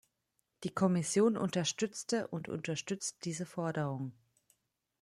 Die Kommission unterstützte und unterstützt diese Forderung.